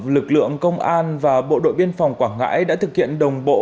lực lượng công an và bộ đội biên phòng quảng ngãi đã thực hiện đồng bộ